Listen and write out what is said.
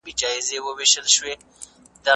آیا د جغرافیې په لوست کي نوي نقشې شتون لري؟